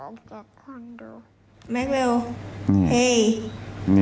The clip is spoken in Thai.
ไมค์เวล